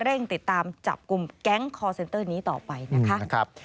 เร่งติดตามจับกลุ่มแก๊งคอร์เซ็นเตอร์นี้ต่อไปนะคะ